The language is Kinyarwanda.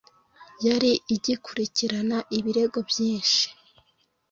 yari igikurikirana ibirego byinshi